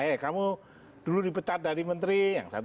eh kamu dulu dipecat dari menteri